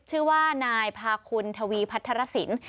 ชื่อว่านายพาคุณทวีพัทรสิน